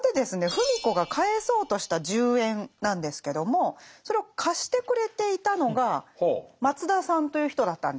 芙美子が返そうとした十円なんですけどもそれを貸してくれていたのが松田さんという人だったんですね。